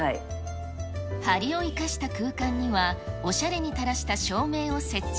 はりを生かした空間には、おしゃれに垂らした照明を設置。